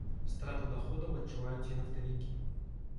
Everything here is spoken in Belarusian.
Страту даходаў адчуваюць і нафтавікі.